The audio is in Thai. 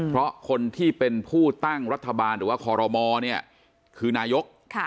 เพราะคนที่เป็นผู้ตั้งรัฐบาลหรือว่าคอรมอเนี่ยคือนายก